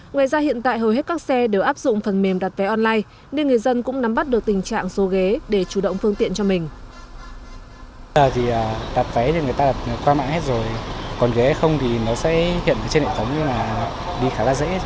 ngoài ra hiện tại hầu hết các xe đều áp dụng phần mềm đặt vé online nên người dân cũng nắm bắt được tình trạng xô ghế để chủ động phương tiện cho mình